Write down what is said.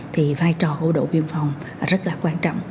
thì vai trò của đội biên phòng rất là quan trọng